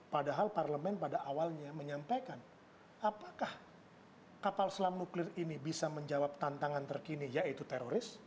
padahal parlemen pada awalnya menyampaikan apakah kapal selam nuklir ini bisa menjawab tantangan terkini yaitu teroris